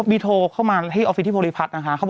พี่หนุ่มพี่หนุ่มมีเบอร์ติดต่อโดยตรงไหมคะ